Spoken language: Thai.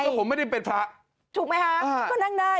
ผมไม่ได้เป็นพระถูกไหมคะก็นั่งได้